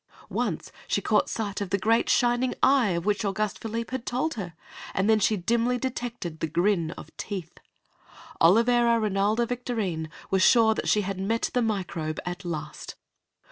Once she caught sight of the great shining eye of which Auguste Philippe had told her, and then she dimly detected the grin of teeth. Olivera Rinalda Victorine was sure that she had met the Microbe at last.